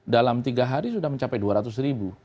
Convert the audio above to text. dalam tiga hari sudah mencapai dua ratus ribu